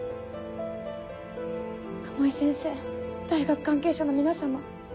鴨居先生大学関係者の皆様